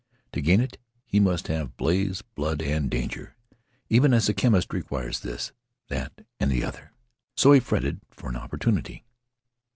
To gain it, he must have blaze, blood, and danger, even as a chemist requires this, that, and the other. So he fretted for an opportunity.